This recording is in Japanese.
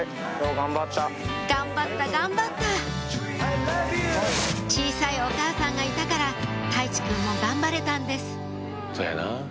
頑張った頑張った小さいお母さんがいたから泰地くんも頑張れたんですそやなぁ。